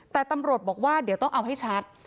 แต่ตำรวจบอกว่าเดี๋ยวต้องเอาให้ชัด